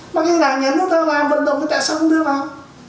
mà cái là nhà nước ta làm vận động thì tại sao không đưa vào